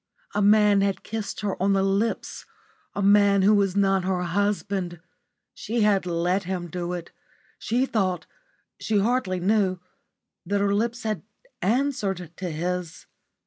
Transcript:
A man had kissed her on the lips a man who was not her husband. She had let him do it. She thought she hardly knew that her lips had answered to his.